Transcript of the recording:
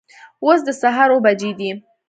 اوس د سهار اوه بجې دي